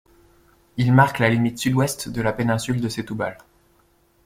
Il marque la limite sud-ouest de la péninsule de Setúbal.